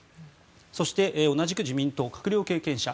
そして同じく自民党閣僚経験者。